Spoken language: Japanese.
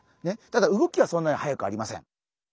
ただ動きはそんなに速くありません。